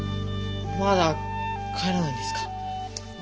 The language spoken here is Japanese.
まだ帰らないんですか？